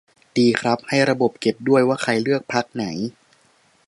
ดีครับ ให้ระบบเก็บด้วย ว่าใครเลือกพรรคไหน